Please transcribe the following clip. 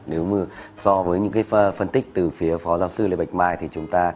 nếu mà so với những cái phân tích từ phía phó giáo sư lê bạch mai thì chúng ta